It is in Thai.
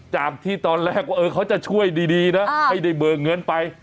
จากที่ตอนแรกว่าเขาจะช่วยดีนะไม่ได้เบิกเงินไป